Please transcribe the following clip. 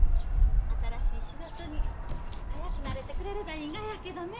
新しい仕事に早く慣れてくれればいいがやけどね。